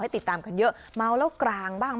ติดตามกันเยอะเมาแล้วกลางบ้าง